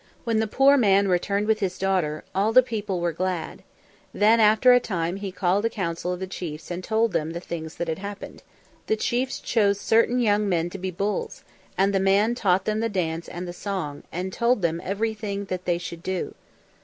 When the poor man returned with his daughter, all the people were glad. Then after a time he called a council of the chiefs and told them the things that had happened. The chiefs chose certain young men to be Bulls, and the man taught them the dance and the song, and told them everything that they should do.